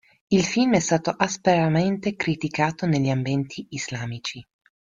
Il film è stato aspramente criticato negli ambienti islamici.